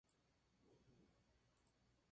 Esta mezcla se cocina en el horno.